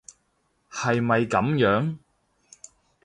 係咪噉樣？